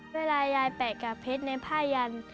เวลายายแปะกากพิษในผ้ายันทร์